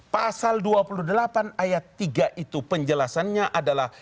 pasal dua puluh delapan ayat tiga itu penjelasannya adalah